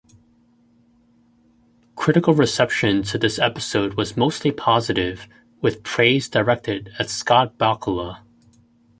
Critical reception to this episode was mostly positive, with praise directed at Scott Bakula.